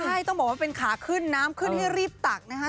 ใช่ต้องบอกว่าเป็นขาขึ้นน้ำขึ้นให้รีบตักนะคะ